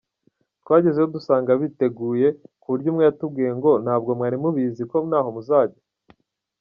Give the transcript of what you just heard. Twagezeyo dusanga biteguye ku buryo umwe yatubwiye ngo ntabwo mwari mubizi ko ntaho muzajya?”.